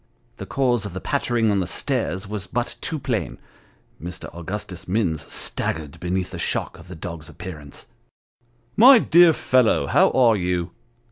The cause of the pattering on the stairs was but too plain. Mr. Augustus Minns staggered beneath the shock of the dog's appearance. " My dear fellow, how are you